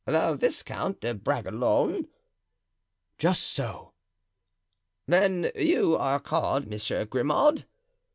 "The Viscount de Bragelonne? "Just so." "Then you are called Monsieur Grimaud?"